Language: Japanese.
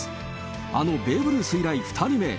あのベーブ・ルース以来２人目。